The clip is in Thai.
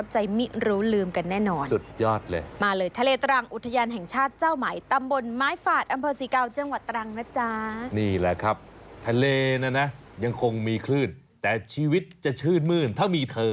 ใช่ค่ะงั้นไม่ไปแล้วฮ่า